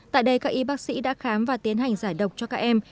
tại đây các y bác sĩ đã khám và tiến hành giải độc cho các em